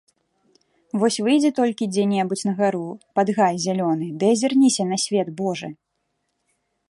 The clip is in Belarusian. Вось выйдзі толькі дзе-небудзь на гару, пад гай зялёны, ды азірніся на свет божы!